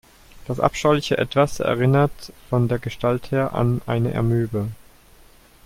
Das abscheuliche Etwas erinnerte von der Gestalt her an eine Amöbe.